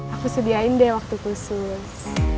aku sediain deh waktu khusus